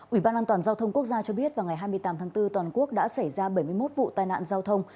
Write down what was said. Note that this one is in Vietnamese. ủy ban an toàn giao thông quốc gia cho biết vào ngày hai mươi tám tháng bốn toàn quốc đã xảy ra bảy mươi một vụ tai nạn giao thông